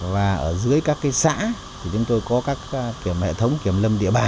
và ở dưới các cái xã thì chúng tôi có các kiểm hệ thống kiểm lâm địa